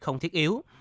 không thiết yếu